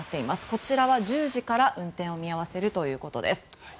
こちらは１０時から運転を見合わせるということです。